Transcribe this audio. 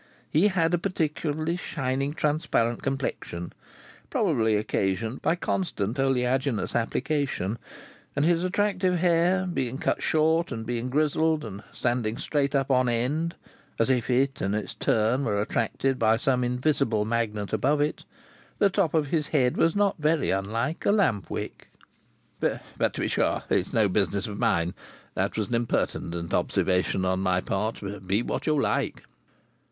He had a peculiarly shining transparent complexion, probably occasioned by constant oleaginous application; and his attractive hair, being cut short, and being grizzled, and standing straight up on end as if it in its turn were attracted by some invisible magnet above it, the top of his head was not very unlike a lamp wick. "But to be sure it's no business of mine," said Barbox Brothers. "That was an impertinent observation on my part. Be what you like."